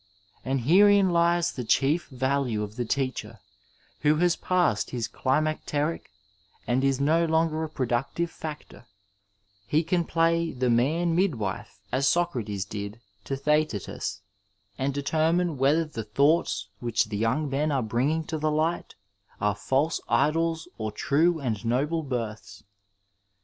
And herein Ues the chief value of the teacher who has passed his climacteric and is no longer a productive factor, he can play the man midwife as Socrates did to Theaetetus, and determine whether tiie thoughts which the young men are bringing to the light are false idols or true and noble births.